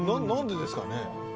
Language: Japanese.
何でですかね。